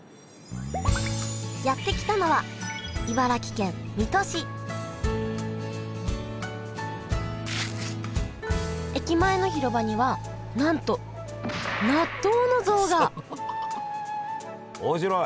やって来たのは茨城県水戸市駅前の広場にはなんと納豆の像が面白い！